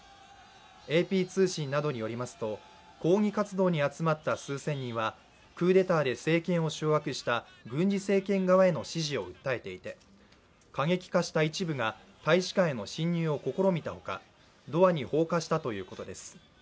ＡＰ通信などによりますと、抗議活動に集まった数千人はクーデターで政権を掌握した軍事政権側への支持を訴えていて過激化した一部が大使館への侵入を試みたほか、ドアに放火したということです。